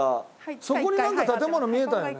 そこになんか建物見えたよね。